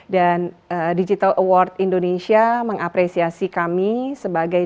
dan digital award indonesia mengapresiasi kami sebagai